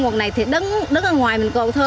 còn nho này thì đứng ở ngoài mình cầu thơ